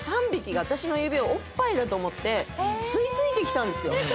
３匹が私の指をおっぱいだと思って吸い付いてきたんですよ。